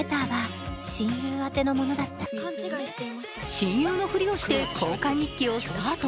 親友のふりをして交換日記をスタート。